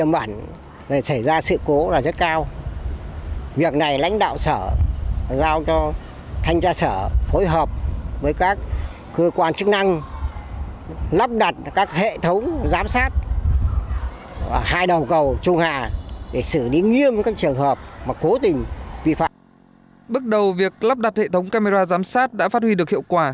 bước đầu việc lắp đặt hệ thống camera giám sát đã phát huy được hiệu quả